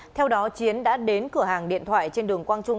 theo đó chiến đã đến cửa hàng điện thoại trên đường quang trung